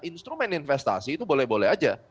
instrumen investasi itu boleh boleh aja